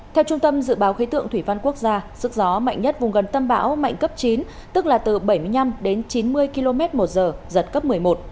theo trung tâm dự báo khí tượng thủy văn quốc gia sức gió mạnh nhất vùng gần tâm bão mạnh cấp chín tức là từ bảy mươi năm đến chín mươi km một giờ giật cấp một mươi một